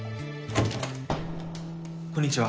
こんにちは。